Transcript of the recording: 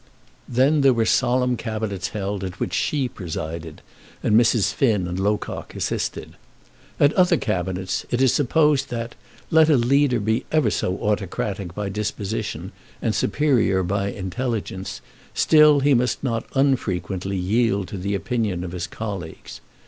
Then there were solemn cabinets held, at which she presided, and Mrs. Finn and Locock assisted. At other cabinets it is supposed that, let a leader be ever so autocratic by disposition and superior by intelligence, still he must not unfrequently yield to the opinion of his colleagues.